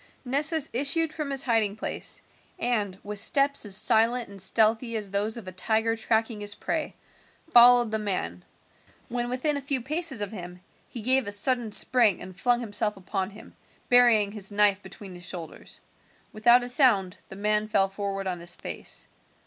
Nessus issued from his hiding place, and, with steps as silent and stealthy as those of a tiger tracking his prey, followed the man. When within a few paces of him he gave a sudden spring and flung himself upon him, burying his knife between his shoulders. Without a sound the man fell forward on his face.